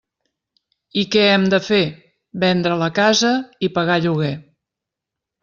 I què hem de fer: vendre la casa i pagar lloguer.